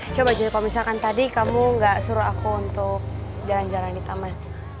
coba jadi kalau misalkan tadi kamu nggak suruh aku untuk jalan jalan di taman